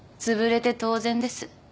つぶれて当然です。